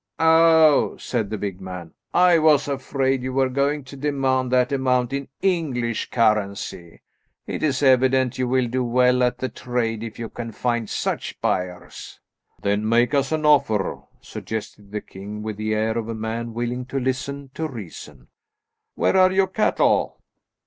"Oh," said the big man, "I was afraid you were going to demand that amount in English currency. It is evident you will do well at the trade, if you can find such buyers." "Then make us an offer," suggested the king, with the air of a man willing to listen to reason. "Where are your cattle?"